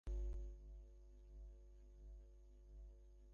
তবে এসএলসির একটি সূত্রের দাবি, সিলেট ভেন্যু বাতিলের কোনো দাবি তারা এখনো করেনি।